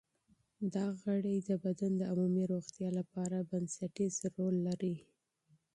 دا غړي د بدن د عمومي روغتیا لپاره بنسټیز رول لري.